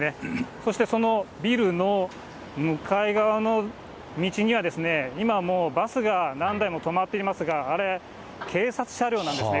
そして、そのビルの向かい側の道には、今もバスが何台も止まっていますが、あれ、警察車両なんですね。